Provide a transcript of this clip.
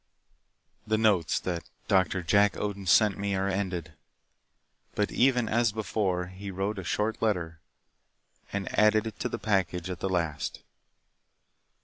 The notes that Doctor Jack Odin sent me are ended. But even as before he wrote a short letter and added it to the package at the last.